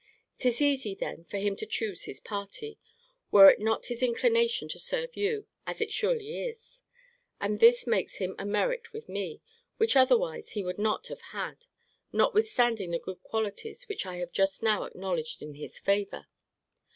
'Tis easy then for him to choose his party, were it not his inclination to serve you, as it surely is. And this makes him a merit with me, which otherwise he would not have had; notwithstanding the good qualities which I have just now acknowledged in his favour.